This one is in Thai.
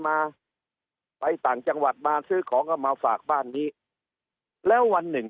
มาไปต่างจังหวัดมาซื้อของเอามาฝากบ้านนี้แล้ววันหนึ่ง